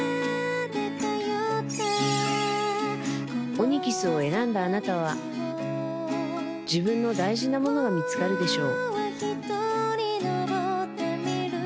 オニキスを選んだあなたは自分の大事なものが見つかるでしょう